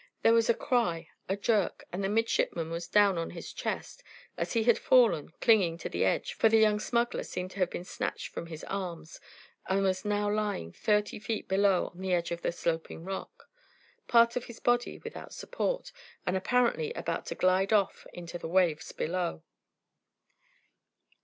There was a cry, a jerk, and the midshipman was down on his chest, as he had fallen, clinging to the edge, for the young smuggler seemed to have been snatched from his arms, and was now lying thirty feet below on the edge of a sloping rock, part of his body without support, and apparently about to glide off into the waves below.